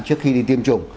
trước khi đi tiêm chủng